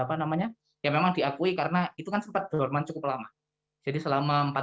tempat isoter memang tidak hitam namanya yang memang diakui karena itu seperti devil man cukup lama jadi selama